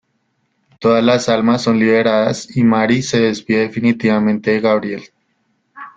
Todas las almas son liberadas y Marie se despide definitivamente de Gabriel.